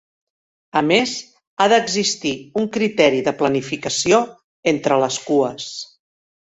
A més ha d'existir un criteri de planificació entre les cues.